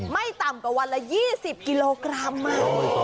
ไม่ต่ำกว่าวันละ๒๐กิโลกรัม